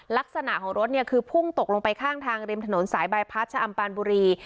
ลักษณะของรถเนี่ยคือพุ่งตกลงไปข้างทางริมถนนสายบายพัดชะอำปานบุรี